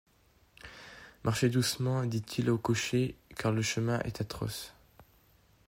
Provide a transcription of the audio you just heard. Marchez doucement, dit-il au cocher, car le chemin est atroce.